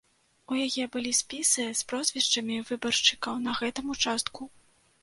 У яе былі спісы з прозвішчамі выбаршчыкаў на гэтым участку.